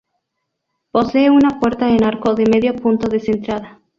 Posee una puerta en arco de medio punto descentrada.